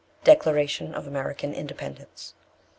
Declaration of American Independence.